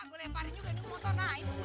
aku leparin juga nunggu ngunggu